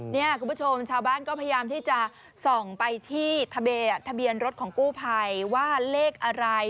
เนี่ยคุณผู้ชมชาวบ้านก็พยายามที่จะส่องไปที่ทะเบียนรถของกู้ภัยว่าเลขอะไร